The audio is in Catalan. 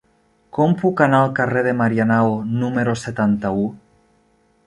Com puc anar al carrer de Marianao número setanta-u?